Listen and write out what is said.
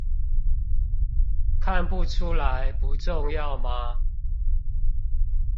看不出來不重要嗎？